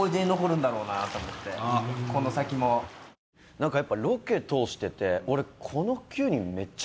なんかやっぱロケ通してて俺おお！